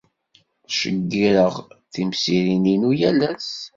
Ttceggireɣ timsirin-inu yal ass.